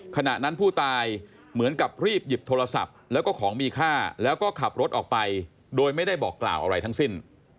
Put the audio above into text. ขณะนั้นผู้ตายเหมือนกับรีบหยิบโทรศัพท์แล้วก็ของมีค่าแล้วก็ขับรถออกไปโดยไม่ได้บอกกล่าวอะไรทั้งสิ้น